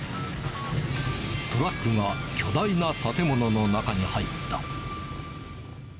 トラックが巨大な建物の中に入った。